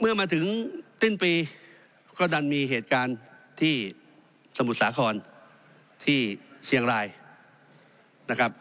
เมื่อมาถึงสิ้นปีก็ดันมีเหตุการณ์ที่สมุทรสาครที่เชียงรายนะครับ